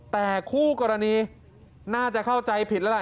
แต่คู่กรณีน่าจะเข้าใจผิดแล้วล่ะ